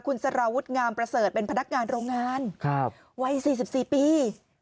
คุณสารวุธงามประเสริร์ตเป็นพนักงานโรงงานครับวัยสี่สิบสี่ปี